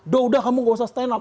udah udah kamu gak usah stand up